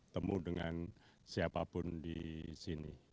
temu dengan siapapun di sini